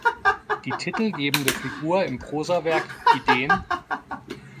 Die titelgebende Figur im Prosawerk "Ideen.